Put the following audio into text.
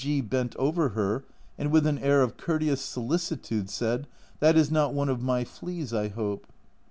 G bent over her, and with an air of courteous solicitude, said, "That is not one of my fleas, I hope."